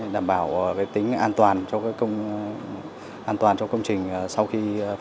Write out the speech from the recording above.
đảm bảo về tính an toàn cho công trình